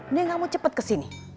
nih kamu cepet kesini